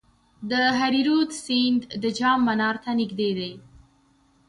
د هریرود سیند د جام منار ته نږدې دی